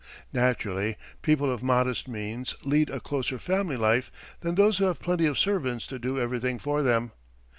Naturally, people of modest means lead a closer family life than those who have plenty of servants to do everything for them.